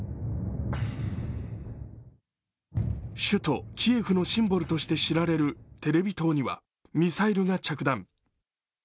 首都キエフのシンボルとして知られるテレビ塔にはミサイルが着弾。